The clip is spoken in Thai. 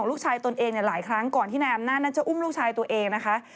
ตนเองหลายครั้งก่อนที่นายอำนาจนั้นจะอุ้มลูกชายตัวเองนะคะ